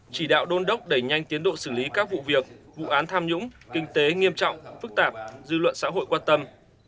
chỉ đạo đôn đốc đẩy nhanh tiến độ xử lý các vụ việc vụ án tham nhũng kinh tế nghiêm trọng phức tạp dư luận xã hội quan tâm